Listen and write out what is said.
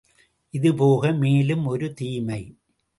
இதுபோக மேலும் ஒரு தீமை!